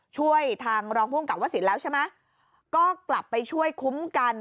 ช่วยทางรองภูมิกับว่าสินแล้วใช่ไหมก็กลับไปช่วยคุ้มกัน